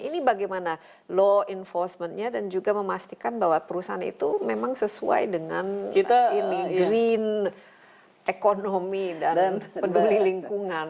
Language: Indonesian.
ini bagaimana law enforcement nya dan juga memastikan bahwa perusahaan itu memang sesuai dengan green economy dan peduli lingkungan